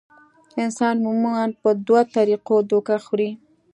انسان عموماً پۀ دوه طريقو دوکه خوري -